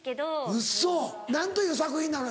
ウソ何という作品なの？